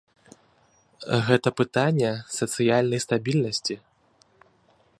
Гэта пытанне сацыяльнай стабільнасці.